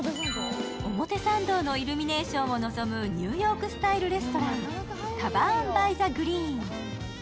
表参道のイルミネーションを望むニューヨークスタイルレストランＴＡＶＥＲＮｂｙｔｈｅｇｒｅｅｎ。